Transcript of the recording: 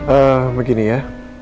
eeeh begini ya